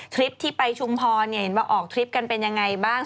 คลิปที่ไปชุมพรเห็นว่าออกทริปกันเป็นยังไงบ้าง